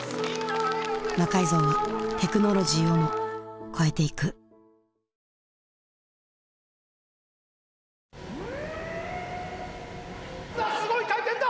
魔改造はテクノロジーをも超えていくすごい回転だ！